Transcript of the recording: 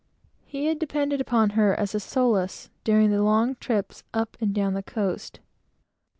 He had depended upon her as a solace, during the long trips up and down the coast.